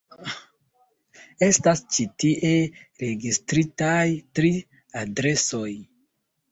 Estas ĉi tie registritaj tri adresoj.